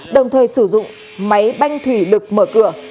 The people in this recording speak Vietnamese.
đồng thời sử dụng máy banh thủy lực mở cửa